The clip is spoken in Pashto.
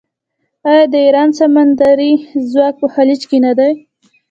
آیا د ایران سمندري ځواک په خلیج کې نه دی؟